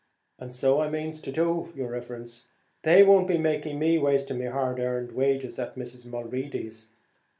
"And so I manes. Oh, yer riverence, they won't be making me be wasting my hard arned wages at Mrs. Mulready's.